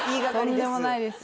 とんでもないです